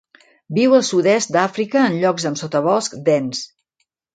Viu al sud-est d'Àfrica en llocs amb sotabosc dens.